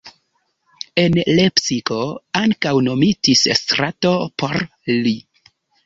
En Lepsiko ankaŭ nomitis strato por li.